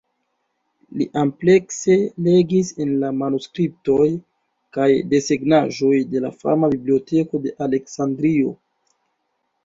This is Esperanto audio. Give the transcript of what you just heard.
Li amplekse legis en la manuskriptoj kaj desegnaĵoj de la fama Biblioteko de Aleksandrio.